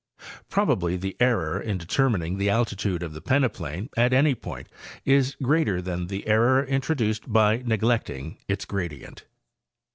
Probably the error in determining the altitude of the peneplain at any point is ereater than the error introduced by neglecting its gradient.